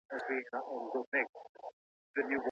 فاسټ فوډ روغتیا ته زیان رسوي؟